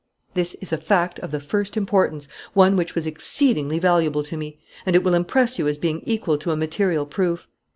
"This is a fact of the first importance, one which was exceedingly valuable to me; and it will impress you as being equal to a material proof.